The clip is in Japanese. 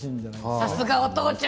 さすがお父ちゃん！